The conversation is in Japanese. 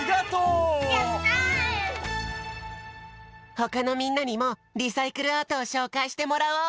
ほかのみんなにもリサイクルアートをしょうかいしてもらおう！